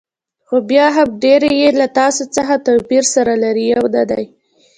خو بیا هم ډېری یې له تاسو څخه توپیر سره لري، یو نه دي.